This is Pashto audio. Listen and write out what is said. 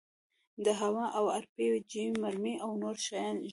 د هاوان او ار پي جي مرمۍ او نور شيان ږدو.